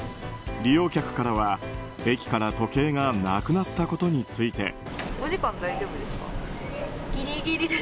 利用客からは、駅から時計がなくなったことについて。